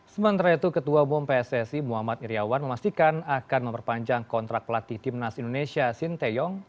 sementara itu ketua umum pssi muhammad iryawan memastikan akan memperpanjang kontrak pelatih timnas indonesia sinteyong